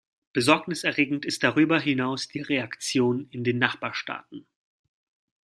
Besorgniserregend ist darüber hinaus die Reaktion in den Nachbarstaaten.